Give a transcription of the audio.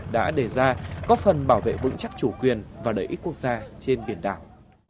đã đề ra có phần bảo vệ vững chắc chủ quyền và lợi ích quốc gia trên biển đảo